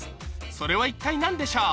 それは一体何でしょう？